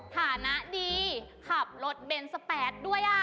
ฐานะดีขับรถเบนสแปดด้วย